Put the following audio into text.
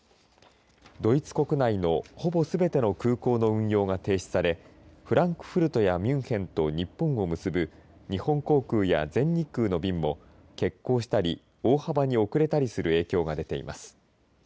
ドイツ国内のほぼすべての空港の運用が停止されフランクフルトやミュンヘンと日本を結ぶ日本航空や全日空の便も欠航したり大幅に遅れたりする影響が出ています。